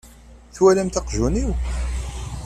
Twalamt aqjun-iw?